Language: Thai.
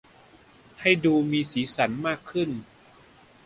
ให้ดูมีสีสรรค์มากขึ้น